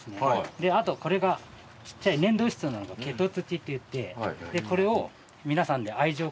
あとこれがちっちゃい粘土質のケト土っていってこれを皆さんで。